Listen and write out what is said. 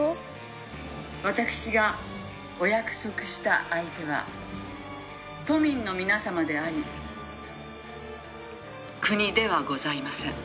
「私がお約束した相手は都民の皆様であり国ではございません」